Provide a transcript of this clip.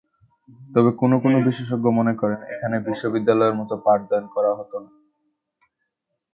তবে কোনো কোনো বিশেষজ্ঞ মনে করেন এখানে বিশ্ববিদ্যালয়ের মতো পাঠদান করা হতো না।